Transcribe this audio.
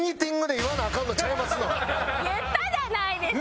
言ったじゃないですか！